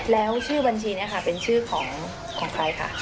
แล้วชื่อบัญชีนี้ค่ะเป็นชื่อของใครคะ